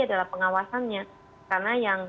adalah pengawasannya karena yang